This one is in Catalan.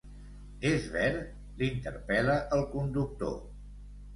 És ver?, l'interpel·la el conductor.